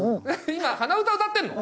今鼻歌歌ってんの？